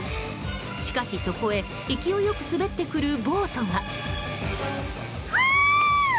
しかし、そこへ勢いよく滑ってくるボートが。